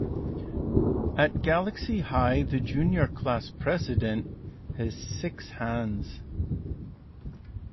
At Galaxy High, the junior class president has six hands.